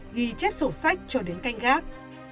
ghi chép sổ sách cho đến canh gác